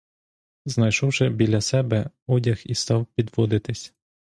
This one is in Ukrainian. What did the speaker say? Знайшовши біля себе, одяг і став підводитись.